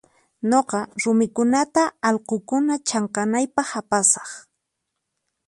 Nuqa rumikunata allqukuna chanqanaypaq apasaq.